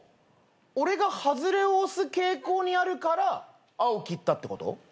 俺が外れを推す傾向にあるから青切ったってこと？